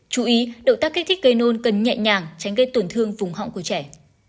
chú ý động tác kích thích cây nôn cần nhẹ nhàng tránh gây tổn thương vùng họng của trẻ